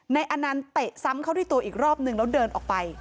อนันต์เตะซ้ำเข้าที่ตัวอีกรอบนึงแล้วเดินออกไป